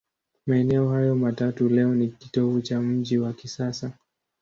Maeneo hayo matatu leo ni kitovu cha mji wa kisasa.